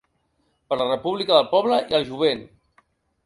Per la república del poble i el jovent.